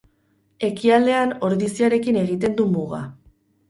Ekialdean Ordiziarekin egiten du muga.